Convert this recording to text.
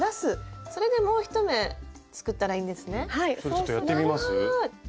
ちょっとやってみます？